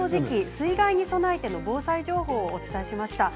水害に備えての防災情報をお伝えしました。